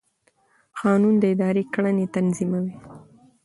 قانون د ادارې کړنې تنظیموي.